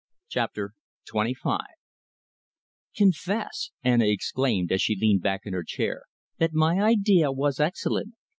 CHAPTER XXV "Confess," Anna exclaimed, as she leaned back in her chair, "that my idea was excellent!